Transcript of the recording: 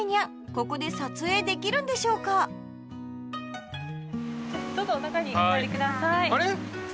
ここで撮影できるんでしょうかどうぞ中にお入りください。